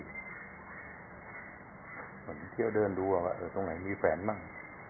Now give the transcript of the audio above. เหมือนเที่ยวเดินดูตรงไหนมีแฟนบ้าง